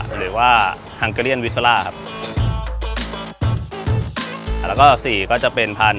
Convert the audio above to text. ๓ฮังเกเรียนวิทซาลล่า